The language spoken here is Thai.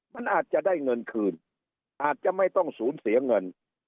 มันอาจจะได้เงินคืนอาจจะไม่ต้องสูญเสียเงิน